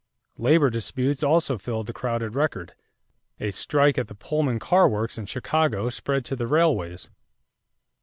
Labor disputes also filled the crowded record. A strike at the Pullman car works in Chicago spread to the railways.